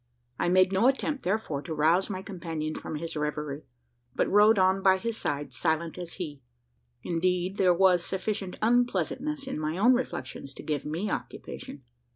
I made no attempt, therefore, to rouse my companion from his reverie; but rode on by his side, silent as he. Indeed, there was sufficient unpleasantness in my own reflections to give me occupation.